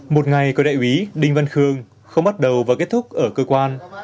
một ngày của đại ủy đinh văn khương không bắt đầu và kết thúc ở cơ quan